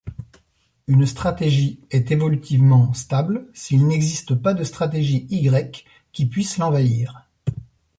Une stratégie est évolutivement stable s’il n’existe pas de stratégie Y qui puisse l’envahir.